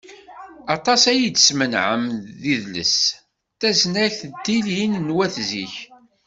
Aṭas ay d-smenɛem d idles, tasnagt d tilin n wat zik.